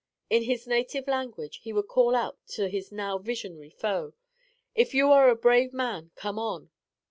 In his native language he would call out to his now visionary foe, "If you are a brave man, come on."